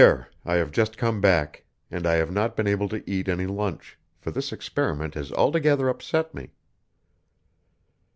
I have just come back, and I have not been able to eat any lunch, for this experiment has altogether upset me.